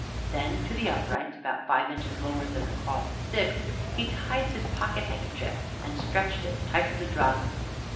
Then to the uprights, about five inches lower than the crossed sticks, he tied his pocket handkerchief, and stretched it tight as a drum.